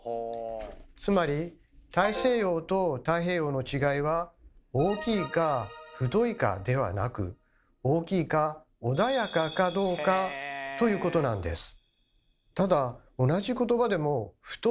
つまり大西洋と太平洋の違いは「大きい」か「太い」かではなく「大きい」か「穏やか」かどうかということなんです。